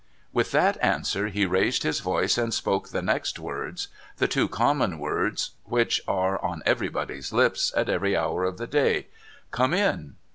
With that answer, he raised his voice and spoke the next words — the two common words which are on everybody's lips, at every hour of the day :' Come in